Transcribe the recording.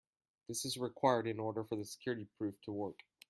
This is required in order for the security proof to work.